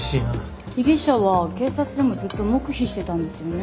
被疑者は警察でもずっと黙秘してたんですよね？